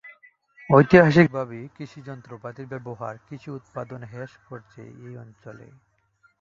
ঐতিহ্যবাহী কৃষি যন্ত্রপাতির ব্যবহার কৃষি উৎপাদন হ্রাস করেছে এই অঞ্চলে।